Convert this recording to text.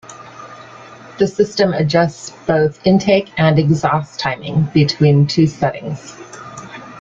The system adjusts both intake and exhaust timing between two settings.